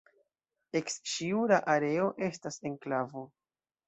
Eks-Ŝiura areo estas enklavo.